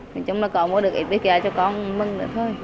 nói chung là có mua được ít bánh kẹo cho con mừng nữa thôi